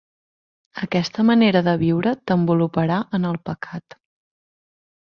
Aquesta manera de viure t'envoluparà en el pecat.